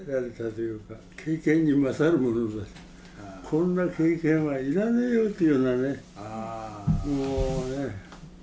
こんな経験はいらねえよっていうようなねもうね。